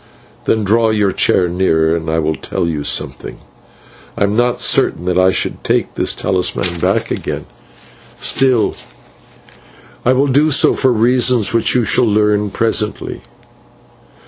Then draw your chair nearer and I will tell you something. I am not certain that I should take this talisman back again, still I will do so for reasons which you shall learn presently.